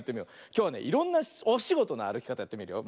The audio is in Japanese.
きょうはねいろんなおしごとのあるきかたやってみるよ。